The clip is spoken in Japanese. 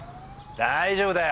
大丈夫だよ。